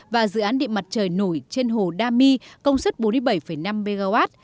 và dự án địa mặt trời nổi trên hồ đa my công suất bốn mươi bảy năm mw